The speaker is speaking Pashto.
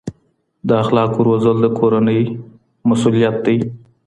د اخلاقو روزل د کورنۍ مسؤلیت دی.